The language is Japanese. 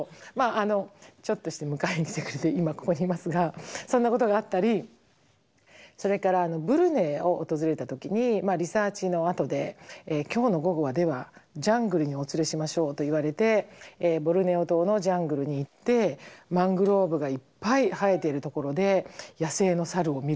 あちょっとして迎えに来てくれて今ここにいますがそんなことがあったりそれからブルネイを訪れた時にリサーチのあとで「今日の午後はではジャングルにお連れしましょう」と言われてボルネオ島のジャングルに行ってマングローブがいっぱい生えているところで野生の猿を見るとか。